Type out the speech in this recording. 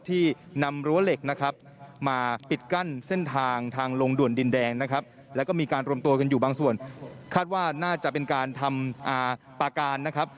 ที่นำรั้วเหล็กนะครับมาปิดกั้นเส้นทางทางลงด่วนดินแดงนะครับ